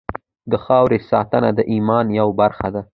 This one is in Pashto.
د خاورې ساتنه د ایمان یوه برخه ده.